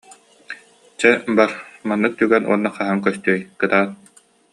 Чэ, бар, маннык түгэн уонна хаһан көстүөй, кытаат